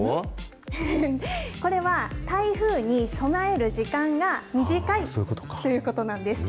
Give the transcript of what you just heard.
これは、台風に備える時間が短いということなんです。